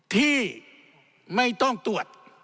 ที่ไม่ต้องตรวจ